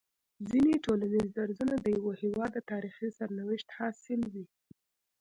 ځيني ټولنيز درځونه د يوه هيواد د تاريخي سرنوشت حاصل وي